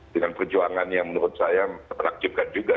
dengan perjuangan yang menurut saya menakjubkan juga